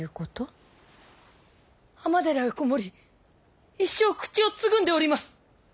尼寺へ籠もり一生口をつぐんでおります！